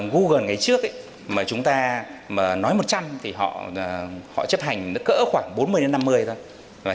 google ngày trước chúng ta nói một trăm linh thì họ chấp hành cỡ khoảng bốn mươi năm mươi thôi